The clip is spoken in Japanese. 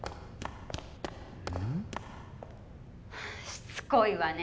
しつこいわね。